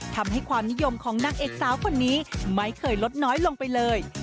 ทำให้ความนิยมของนักเอกเจ้าคนนี้ไม่เคยลดน้อยลงไปเลย